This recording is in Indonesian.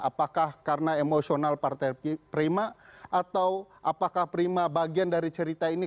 apakah karena emosional partai prima atau apakah prima bagian dari cerita ini